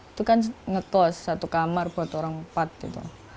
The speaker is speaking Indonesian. itu kan ngetos satu kamar buat orang empat gitu